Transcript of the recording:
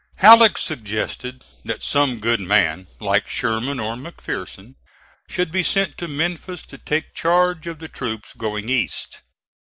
Halleck suggested that some good man, like Sherman or McPherson, should be sent to Memphis to take charge of the troops going east.